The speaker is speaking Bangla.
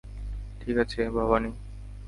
ঠিক আছে, ভবানী।